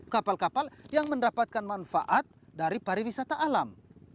kapal kapal yang mendapatkan manfaat dari pariwisata alam